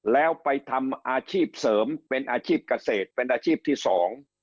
แล้วไปทำอาชีพเสริมเป็นอาชีพเกษตรเป็นอาชีพที่สอง